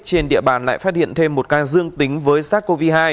trên địa bàn lại phát hiện thêm một ca dương tính với sars cov hai